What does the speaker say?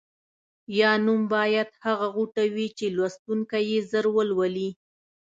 یا نوم باید هغه غوټه وي چې لوستونکی یې ژر ولولي.